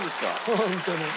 ホントに。